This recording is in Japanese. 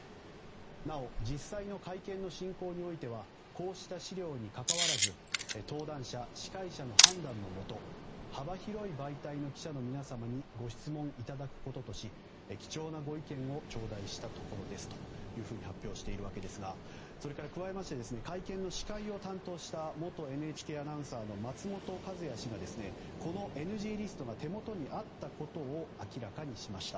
なお、実際の会見の進行においてはこうした資料にかかわらず登壇者、司会者の判断のもと幅広い媒体の記者の皆様にご質問いただくこととし貴重なご意見をちょうだいしたところですと発表したわけですがそれから加えまして会見の司会を担当した元ＮＨＫアナウンサーの松本和也氏がこのＮＧリストが手元にあったことを明らかにしました。